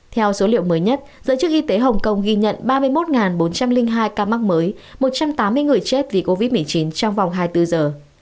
theo số liệu mới nhất giới chức y tế hồng kông ghi nhận ba mươi một bốn trăm linh hai ca mắc mới một trăm tám mươi người chết vì covid một mươi chín trong vòng hai mươi bốn giờ